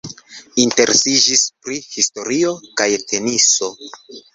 Interesiĝis pri historio kaj teniso.